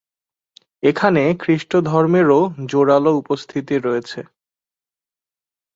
এখানে খ্রিস্টধর্মেরও জোরালো উপস্থিতি রয়েছে।